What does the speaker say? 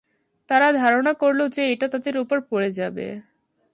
তারা ধারণা করল যে, এটা তাদের উপর পড়ে যাবে।